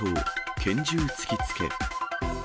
拳銃突きつけ。